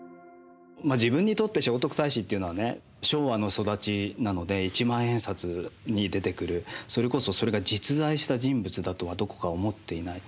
自分にとって聖徳太子っていうのはね昭和の育ちなので一万円札に出てくるそれこそそれが実在した人物だとはどこか思っていない。